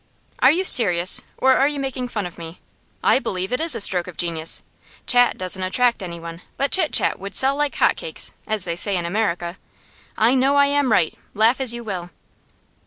'Are you serious? Or are you making fun of me? I believe it is a stroke of genius. Chat doesn't attract anyone, but Chit Chat would sell like hot cakes, as they say in America. I know I am right; laugh as you will.